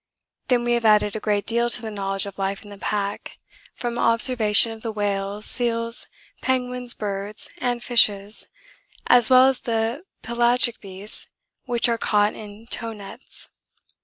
'Then we have added a great deal to the knowledge of life in the pack from observation of the whales, seals, penguins, birds, and fishes as well as of the pelagic beasts which are caught in tow nets.